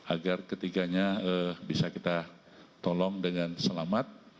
agar ketiganya bisa kita tolong dengan selamat